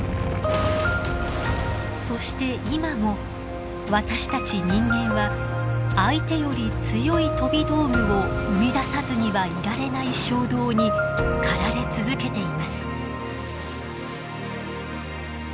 そして今も私たち人間は相手より強い飛び道具を生み出さずにはいられない衝動に駆られ続けています。